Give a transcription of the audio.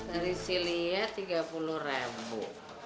dari siliah tiga puluh rebu